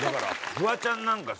フワちゃんなんかさ